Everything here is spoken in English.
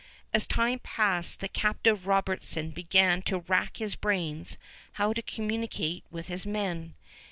As time passed the captive Robertson began to wrack his brains how to communicate with his men.